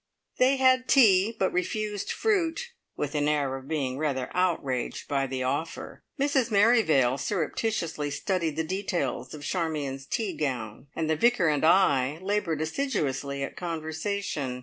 They had tea, but refused fruit, with an air of being rather outraged by the offer. Mrs Merrivale surreptitiously studied the details of Charmion's tea gown, and the Vicar and I laboured assiduously at conversation.